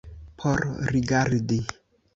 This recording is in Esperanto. Por rigardi.